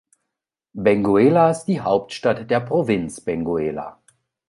Benguela ist die Hauptstadt der Provinz Benguela.